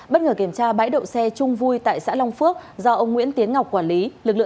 bất ngờ kiểm tra bãi đậu xe trung vui tại xã long phước do ông nguyễn tiến ngọc quản lý